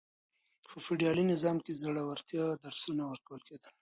په فيوډالي نظام کي د زړورتيا درسونه ورکول کېدل.